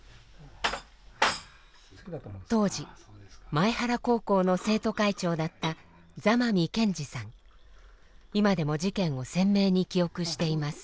当時前原高校の生徒会長だった今でも事件を鮮明に記憶しています。